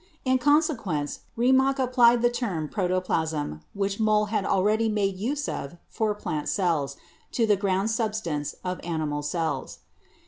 In consequence Remak applied the term protoplasm, which Mohl had already made use of for plant cells, to the ground substance of animal cells.